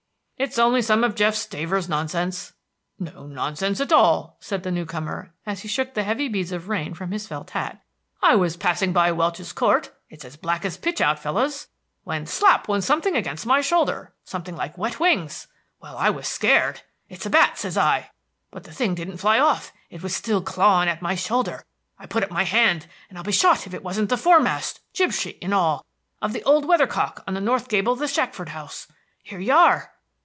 "It's only some of Jeff Stavers's nonsense." "No nonsense at all," said the new comer, as he shook the heavy beads of rain from his felt hat. "I was passing by Welch's Court it's as black as pitch out, fellows when slap went something against my shoulder; something like wet wings. Well, I was scared. It's a bat, says I. But the thing didn't fly off; it was still clawing at my shoulder. I put up my hand, and I'll be shot if it wasn't the foremast, jib sheet and all, of the old weather cock on the north gable of the Shackford house! Here you are!"